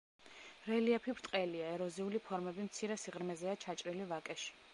რელიეფი ბრტყელია, ეროზიული ფორმები მცირე სიღრმეზეა ჩაჭრილი ვაკეში.